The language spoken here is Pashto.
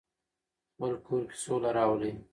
خپل کور کې سوله راولئ.